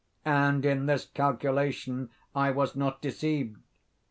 And in this calculation I was not deceived.